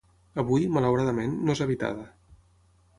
Avui, malauradament, no és habitada.